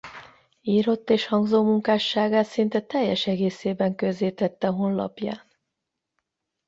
Írott és hangzó munkásságát szinte teljes egészében közzétette honlapján.